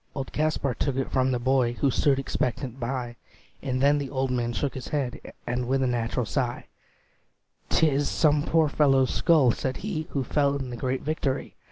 Old Kaspar took it from the boy, Who stood expectant by; And then the old man shook his head, And with a natural sigh, "'T is some poor fellow's skull," said he, "Who fell in the great victory.